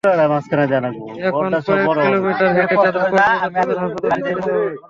এখন কয়েক কিলোমিটার হেঁটে তাদের কক্সবাজার সদর হাসপাতালে নিতে যেতে হবে।